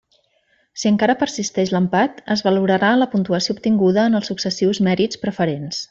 Si encara persisteix l'empat, es valorarà la puntuació obtinguda en els successius mèrits preferents.